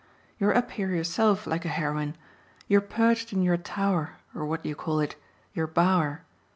You're up here yourself like a heroine; you're perched in your tower or what do you call it? your bower.